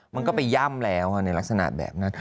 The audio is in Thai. มันก็ไปย่ำแล้วในลักษณะแบบนั้น